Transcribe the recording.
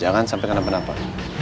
jangan sampai kena penapa